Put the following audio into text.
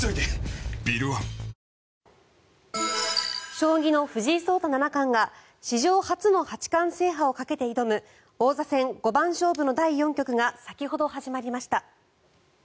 将棋の藤井聡太七冠が史上初の八冠制覇をかけて挑む王座戦五番勝負の第４局が先ほど始まりました。